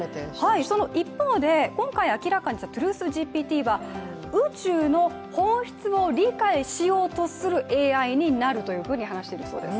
その一方で、今回明らかにしたＴｒｕｔｈＧＰＴは宇宙の本質を理解しようとするＡＩになると話したそうなんです。